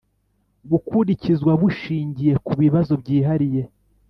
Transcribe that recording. Gukurikizwa, bushingiye ku bibazo byihariye